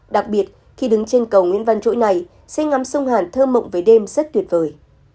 đặc biệt khi đứng trên cầu nguyễn văn chỗi này xe ngắm sông hàn thơ mộng về đêm rất tuyệt vời